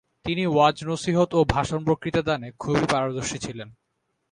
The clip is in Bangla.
তিনি ওয়াজ-নসীহত ও ভাষণ-বক্তৃতা দানে খুবই পারদর্শী ছিলেন।